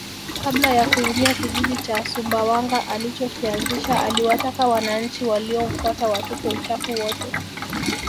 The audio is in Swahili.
Kabla ya kuingia kijiji cha Sumbawanga alichokianzisha aliwataka wananchi waliomfuata watupe uchafu wote